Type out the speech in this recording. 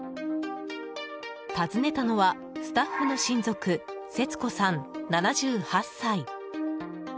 訪ねたのはスタッフの親族節子さん、７８歳。